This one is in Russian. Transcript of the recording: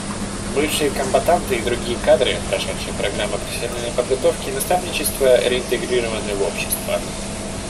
Бывшие комбатанты и другие кадры, прошедшие программы профессиональной подготовки и наставничества, реинтегрированы в общество.